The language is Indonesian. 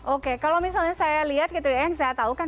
oke kalau misalnya saya lihat gitu ya yang saya tahu kan